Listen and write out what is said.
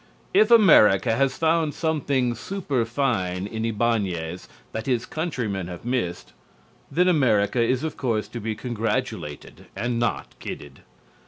If America has found something superfine in Ibáñez that his countrymen have missed, then America is of course to be congratulated and not kidded.